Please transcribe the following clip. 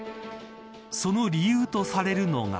その理由とされるのが。